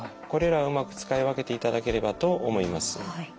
これらをうまく使い分けていただければと思います。